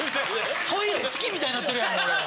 トイレ好きみたいになってるやん俺。